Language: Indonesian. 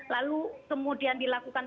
lalu kemudian dilakukan